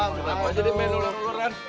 kenapa jadi main uluran uluran